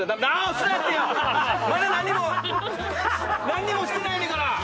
まだ何にも何にもしてないねんから！